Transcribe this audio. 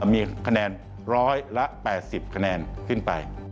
มีคะแนน๑๘๐คะแนนขึ้นไป